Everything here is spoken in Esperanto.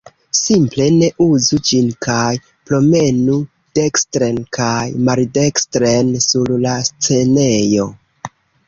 Simple, ne uzu ĝin kaj promenu dekstren kaj maldekstren sur la scenejo